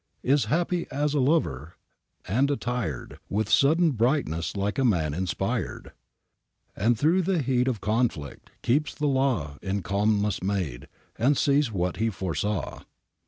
Is happy as a lover ; and attired With sudden brightness, like a man inspired ; And through the heat of conflict, keeps the law In calmness made, and sees what he foresaw.'